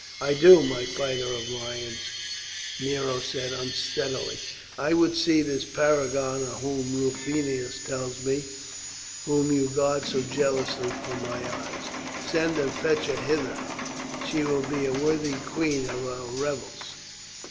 "I do, my fighter of lions," Nero said unsteadily. "I would see this paragon of whom Rufinus tells me, whom you guard so jealously from my eyes. Send and fetch her hither. She will be a worthy queen of our revels."